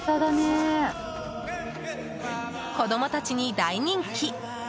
子供たちに大人気！